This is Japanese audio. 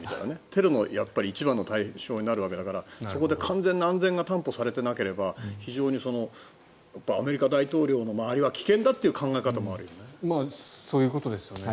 テロの一番の対象になるわけだからそこで完全な安全が担保されていなければアメリカ大統領の周りはそういうことですよね。